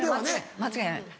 間違いない。